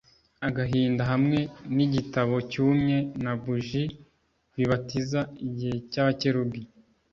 agahinda hamwe nigitabo cyumye na buji bibatiza igihe cyabakerubi